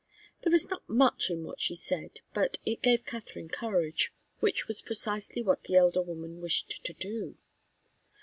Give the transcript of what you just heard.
There was not much in what she said, but it gave Katharine courage, which was precisely what the elder woman wished to do.